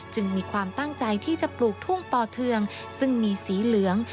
มีความตั้งใจที่จะปลูกทุ่งป่อเทืองซึ่งมีสีเหลือง